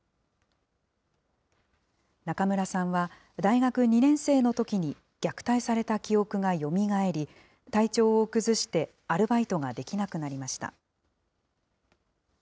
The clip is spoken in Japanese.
中村さんは、大学２年生のときに、虐待された記憶がよみがえり、体調を崩して、アルバイトができなくなりました。